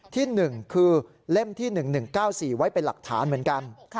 ที่๑คือเล่มที่๑๑๙๔ไว้เป็นหลักฐานเหมือนกัน